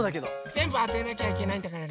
ぜんぶあてなきゃいけないんだからね。